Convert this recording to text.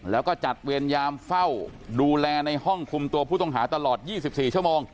แล้วก็จัดเวรยามเฝ้าดูแลในห้องคุมตัวผู้ต้องหาตลอด๒๔ชั่วโมง